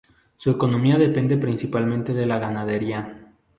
Su economía depende principalmente de la ganadería.